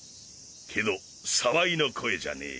けど澤井の声じゃねぇ。